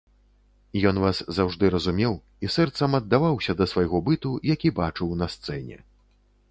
Ён вас заўжды разумеў і сэрцам аддаваўся да свайго быту, які бачыў на сцэне.